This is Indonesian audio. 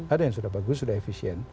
ada yang sudah bagus sudah efisien